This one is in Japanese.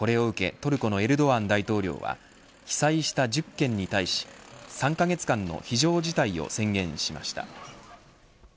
トルコのエルドアン大統領は被災した１０県に対し３カ月間の非常事態を宣言しました。